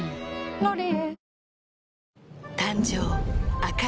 「ロリエ」